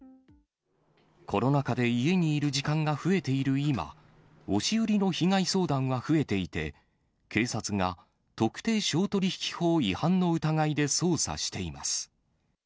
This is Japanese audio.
コロナ禍で家にいる時間が増えている今、押し売りの被害相談は増えていて、警察が特定商取引法違反の疑いで捜査しています。